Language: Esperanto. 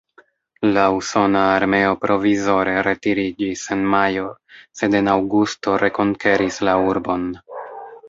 La usona armeo provizore retiriĝis en majo, sed en aŭgusto rekonkeris la urbon.